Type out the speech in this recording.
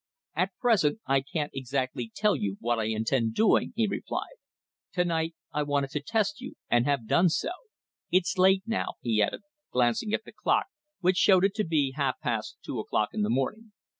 "At present I can't exactly tell you what I intend doing," he replied. "To night I wanted to test you, and have done so. It's late now," he added, glancing at the clock, which showed it to be half past two o'clock in the morning.